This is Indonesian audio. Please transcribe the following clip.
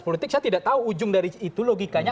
politik saya tidak tahu ujung dari itu logikanya